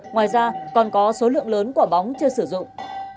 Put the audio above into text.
ngoài ra còn có số lượng lớn quả bóng chưa sử dụng